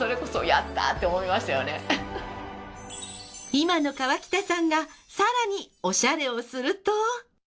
今の川北さんが更におしゃれをすると。